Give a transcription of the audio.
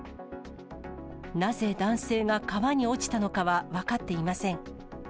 なぜ男性が川に落ちたのかは分かっていません。